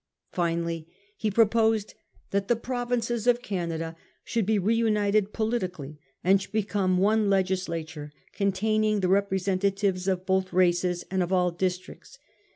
Finally, he proposed that the provinces of Canada should be reunited poli tically and should become one legislature, containing the representatives of both races and of all districts.